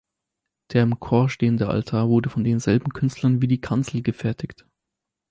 Der im Chor stehende Altar wurde von denselben Künstlern wie die Kanzel gefertigt.